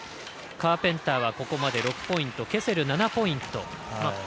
カーペンターはここまで６ポイントケセルは７ポイント。